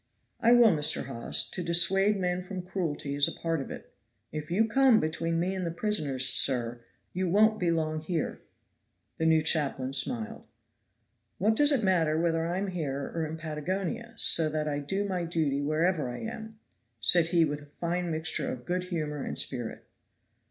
"I will, Mr. Hawes; to dissuade men from cruelty is a part of it." "If you come between me and the prisoners, sir, you won't be long here." The new chaplain smiled. "What does it matter whether I'm here or in Patagonia, so that I do my duty wherever I am?" said he with a fine mixture of good humor and spirit.